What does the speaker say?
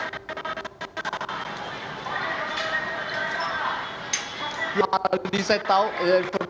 bagaimana bapak ibu bisa melakukan perjalanan terhadap masyarakat yang berusaha mendekati gedung mprdg